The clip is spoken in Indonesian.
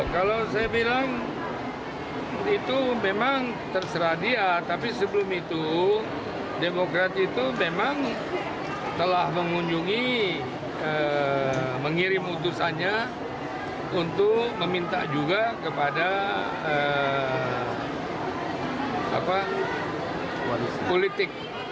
kalau saya bilang itu memang terserah dia tapi sebelum itu demokrat itu memang telah mengunjungi mengirim utusannya untuk meminta juga kepada politik